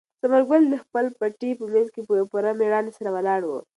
ثمر ګل د خپل پټي په منځ کې په پوره مېړانې سره ولاړ و.